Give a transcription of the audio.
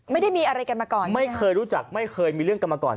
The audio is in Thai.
ไม่ได้มีอะไรกันมาก่อนไม่เคยรู้จักไม่เคยมีเรื่องกันมาก่อน